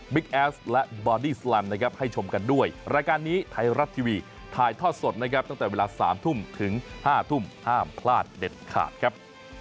พลาดเด็ดขาดครับ